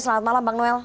selamat malam bang noel